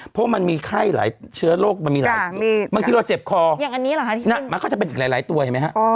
เพราะมันมีไข้หลายเชื้อโรคมันก็จะเป็นอีกหลายตัวไหมครับ